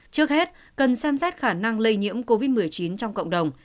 trước hết cần xem xét khả năng lây nhiễm covid một mươi chín trong cộng đồng